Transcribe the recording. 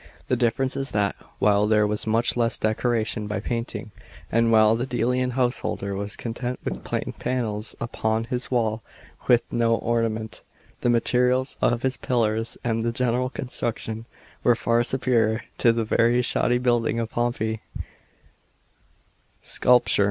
The difference is that " while there was much less decoration by painting, and while the Delian householder was content with plain panels upon his wall with no ornament, the materials of his pillars and the general construction were far superior to the very shoddy building of Pompeii." f § 28. SCULPTURE.